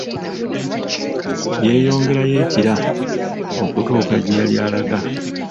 Yeeyongerayo e kira okutuuka gyeyali alaga.